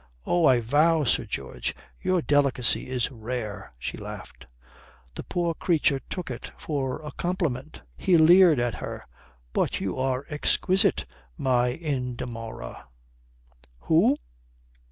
"Oh, I vow, Sir George, your delicacy is rare," she laughed. The poor creature took it for a compliment. He leered at her: "But you are exquisite, my Indamora." "Who?"